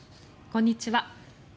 こんにちは。